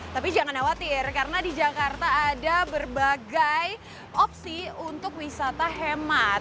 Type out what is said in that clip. tapi jangan khawatir karena di jakarta ada berbagai opsi untuk wisata hemat